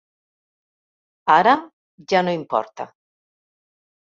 Ara ja no m'importa.